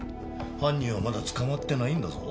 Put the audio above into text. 犯人はまだ捕まってないんだぞ。